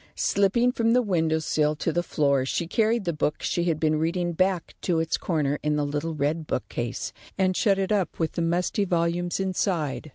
Slipping from the window sill to the floor, she carried the book she had been reading back to its corner in the little red bookcase, and shut it up with the musty volumes inside.